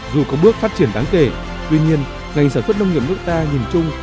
dù có bước phát triển đáng kể tuy nhiên ngành sản xuất nông nghiệp nước ta nhìn chung